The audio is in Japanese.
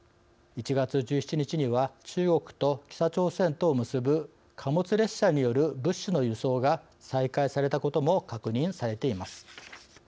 １月１７日には中国と北朝鮮とを結ぶ貨物列車による物資の輸送が再開されたことも確認されています。